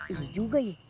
iya juga ye